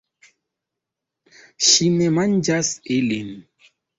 Ŝi ne manĝas ilin